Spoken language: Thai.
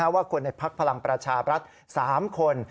ว่าคนในพักพลังประชาบรัฐ๓คน